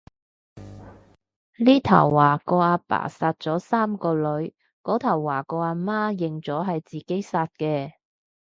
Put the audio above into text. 呢頭話個阿爸殺咗三個女，嗰頭話個阿媽認咗係自己殺嘅